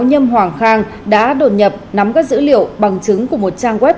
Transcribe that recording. nhâm hoàng khang đã đột nhập nắm các dữ liệu bằng chứng của một trang web